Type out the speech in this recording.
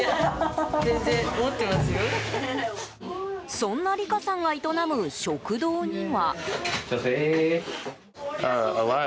そんな理佳さんが営む食堂には。